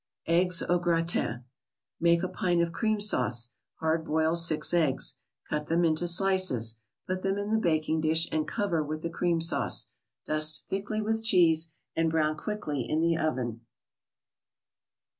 EGGS AU GRATIN Make a pint of cream sauce. Hard boil six eggs. Cut them into slices. Put them in the baking dish and cover with the cream sauce. Dust thickly with cheese, and brown quickly in the oven.